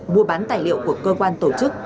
mua bán tài liệu của cơ quan tổ chức